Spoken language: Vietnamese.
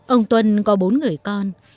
ông tuân có bốn người con